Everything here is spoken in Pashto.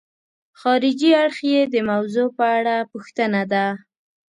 خارجي اړخ یې د موضوع په اړه پوښتنه ده.